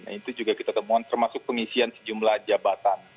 itu juga kita temukan termasuk pengisian sejumlah jabatan